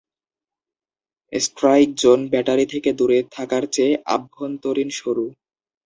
Strike zone battery থেকে দূরে থাকার চেয়ে "আভ্যন্তরীণ" সরু।